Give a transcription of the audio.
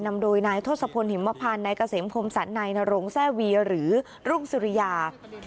นำโดยนายทศพลหิมพันธ์นายเกษมพรมสันนายนรงแซ่เวียหรือรุ่งสุริยา